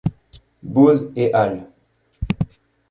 Bose et al.